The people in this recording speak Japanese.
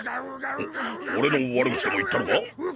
俺の悪口でも言ったのか？